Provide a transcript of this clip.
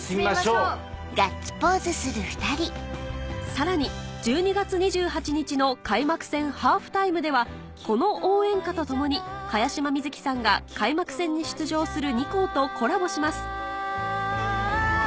さらに１２月２８日の開幕戦ハーフタイムではこの応援歌と共に茅島みずきさんが開幕戦に出場する２校とコラボします